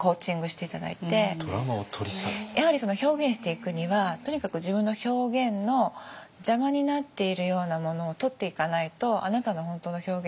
やはり表現していくにはとにかく自分の表現の邪魔になっているようなものを取っていかないとあなたの本当の表現ができないよね。